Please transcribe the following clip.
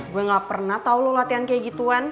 gue gak pernah tau lo latihan kayak gituan